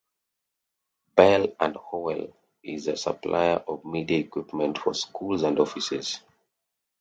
Bell and Howell is a supplier of media equipment for schools and offices.